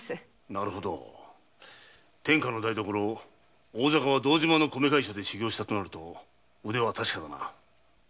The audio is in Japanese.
なるほど天下の台所大坂は堂島の米会所で修業したとなると腕は確かだな。